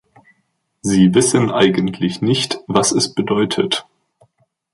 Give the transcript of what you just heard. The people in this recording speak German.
Sie wissen eigentlich nicht, was es bedeutet.